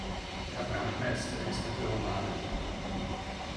Der Herr Brandmeister ist ein Pyromane.